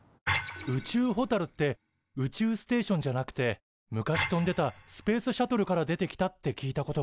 宇宙ホタルって宇宙ステーションじゃなくて昔飛んでたスペースシャトルから出てきたって聞いたことがある。